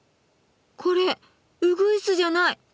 これうぐいすじゃない。